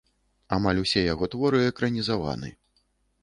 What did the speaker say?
Амаль усе яго творы экранізаваны.